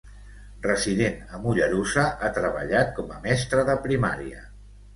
Resident a Mollerussa, ha treballat com a mestre de primària.